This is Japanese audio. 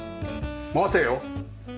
待てよ。